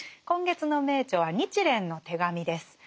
今月の名著は「日蓮の手紙」です。